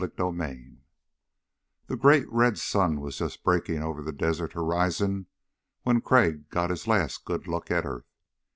CHAPTER 3 The great red sun was just breaking over the desert horizon when Crag got his last good look at earth.